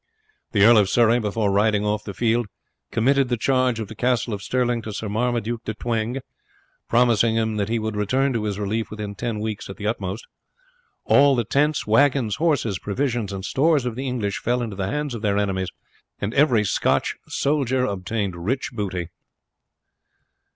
The Earl of Surrey, before riding off the field, committed the charge of the Castle of Stirling to Sir Marmaduke de Twenge, promising him that he would return to his relief within ten weeks at the utmost. All the tents, wagons, horses, provisions, and stores of the English fell into the hands of their enemies, and every Scotch soldier obtained rich booty.